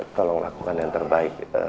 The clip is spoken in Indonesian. tolong lakukan yang terbaik